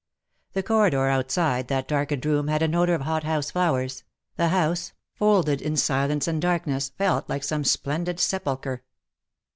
The corridor outside that darkened room had an odour of hot house flowers. The house, folded in silence and darkness, felt like some splendid sepulchre.